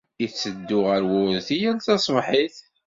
Yetteddu ɣer wurti yal taṣebḥit.